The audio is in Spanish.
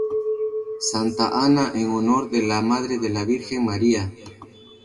Santa Ana en honor de la madre de la virgen María.